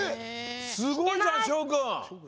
すごいじゃんしょうくん！